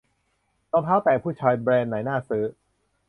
รองเท้าแตะผู้ชาย แบรนด์ไหนน่าซื้อ